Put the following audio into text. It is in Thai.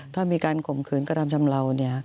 ถ้ามีการข่มขืนกระทำชำเลา